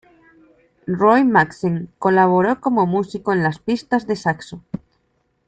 Roy Madsen colaboro como músico en las pistas de saxo.